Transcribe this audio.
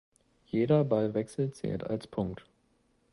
Jeder Ballwechsel zählt als Punkt.